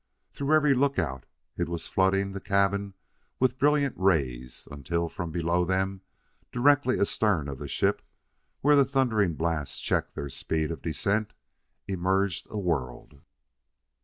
Through every lookout it was flooding the cabin with brilliant rays, until, from below them, directly astern of the ship, where the thundering blast checked their speed of descent, emerged a world.